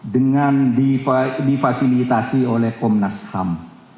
dengan difasilitasi oleh komnas ham